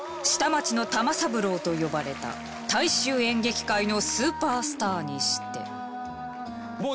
下町の玉三郎と呼ばれた大衆演劇界のスーパースターにして。